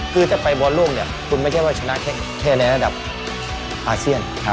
คือถ้าไปบอลโลกเนี่ยคุณไม่ใช่ว่าชนะแค่ในระดับอาเซียน